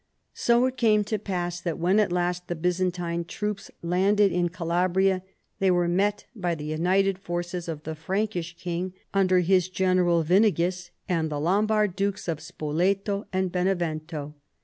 So it came to pass that when at last the Byzantine troops landed in Calabria they were met by the united forces of the Frankish king under his general Winighis, and the Lombard dukes of Spoleto and Benevento.